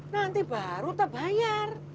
nanti baru tebayar